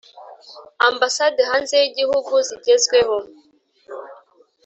Ambasade hanze y igihugu zigezwaho